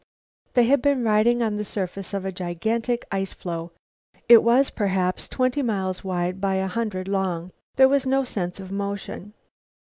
They had been riding on the surface of a gigantic ice floe. It was, perhaps, twenty miles wide by a hundred long. There was no sense of motion.